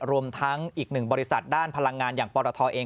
รวมทั้งอีกหนึ่งบริษัทด้านพลังงานอย่างปรทเอง